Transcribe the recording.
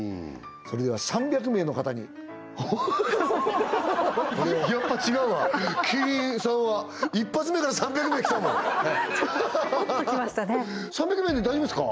それでは３００名の方におホホホやっぱ違うわキリンさんは１発目から３００名きたもんはい３００名で大丈夫ですか？